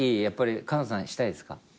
やっぱり角野さんしたいですか？